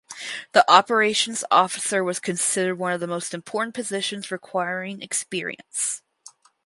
The Operations Officer was considered one of the most important positions requiring experience.